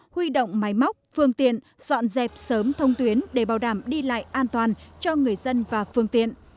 huy động máy móc phương tiện dọn dẹp sớm thông tuyến để bảo đảm đi lại an toàn cho người dân và phương tiện